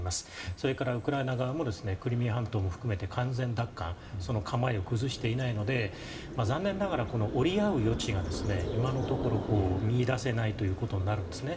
それからウクライナ側もクリミア半島も含めて完全奪還の構えを崩していないので残念ながら折り合う余地が今のところ見いだせないということになるんですね。